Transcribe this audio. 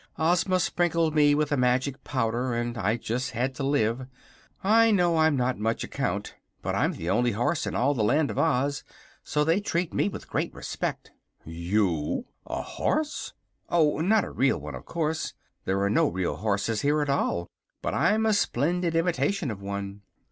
"Ozma sprinkled me with a magic powder, and I just had to live. I know I'm not much account; but I'm the only horse in all the Land of Oz, so they treat me with great respect." "You, a horse!" "Oh, not a real one, of course. There are no real horses here at all. But I'm a splendid imitation of one."